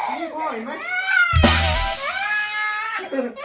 ก็อีกหรอนี่พ่ออีกหรอเค็มพ่ออันนี้กัน